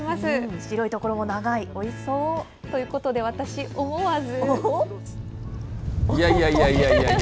白いところも長い、おいしそう。ということで、私、思わず。